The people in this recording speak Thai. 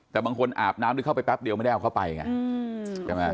แต่บางคนอาบน้ำหรือเข้าไปแป๊บเดียวไม่ได้เอาเข้าไปไงใช่ไหม